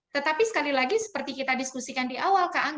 tetapi sekali lagi seperti kita diskusikan di awal